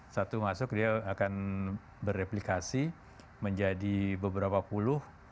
satu masuk dia akan bereplikasi menjadi beberapa puluh